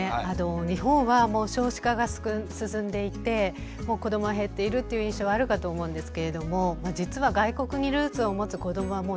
日本は少子化が進んでいて子どもは減っているっていう印象はあるかと思うんですけれども実は外国にルーツを持つ子どもは年々増えているんですよね。